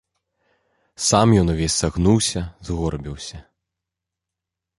Сам ён увесь сагнуўся, згорбіўся.